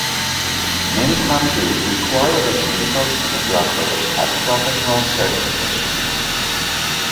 Many countries require that medical sonographers have professional certification.